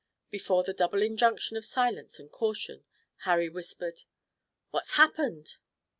Before the double injunction of silence and caution, Harry whispered: "What's happened?"